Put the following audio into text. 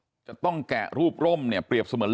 แล้วถ้าคุณชุวิตไม่ออกมาเป็นเรื่องกลุ่มมาเฟียร์จีน